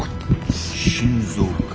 心臓か。